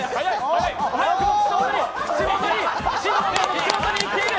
口元にいっている！